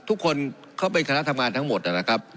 ทุกคนเขาเป็นคณะทำงานทั้งหมดนะครับ